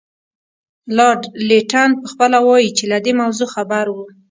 لارډ لیټن پخپله وایي چې له دې موضوع خبر وو.